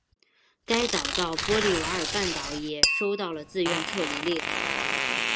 该岛到波利瓦尔半岛也收到了自愿撤离令。